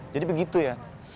jadi begitu ya